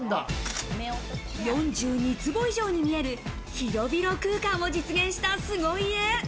４２坪以上に見える広々空間を実現した凄家。